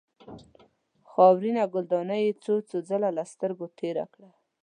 خاورینه ګلدانۍ یې څو ځله له سترګو تېره کړه.